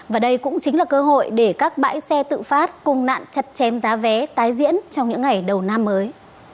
và đây cũng chính là cơ hội để các bãi xe tự phát cùng nạn chặt chém giá vé tái diễn trong những ngày đầu năm mới